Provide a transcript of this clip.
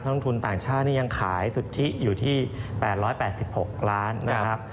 ลงทุนต่างชาตินี่ยังขายสุทธิอยู่ที่๘๘๖ล้านนะครับ